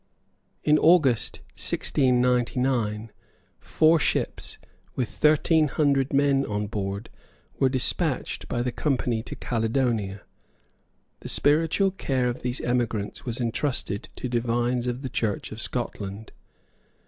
In August 1699 four ships, with thirteen hundred men on board, were despatched by the Company to Caledonia. The spiritual care of these emigrants was entrusted to divines of the Church of Scotland.